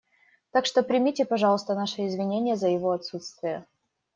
Так что примите, пожалуйста, наши извинения за его отсутствие.